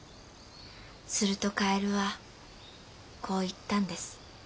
するとカエルはこう言ったんです。